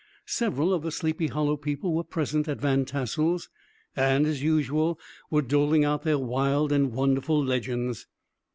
Several of the Sleepy Hollow people were present at Van Tassel's, and, as usual, were doling out their wild and wonderful legends.